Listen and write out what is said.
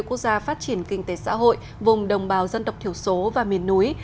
mục tiêu quốc gia phát triển kinh tế xã hội vùng đồng bào dân độc thiểu số và miền núi